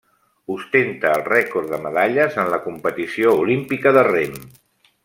Ostenta el rècord de medalles en la competició olímpica de rem.